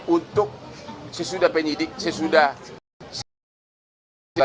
untuk sesudah penyidik sesudah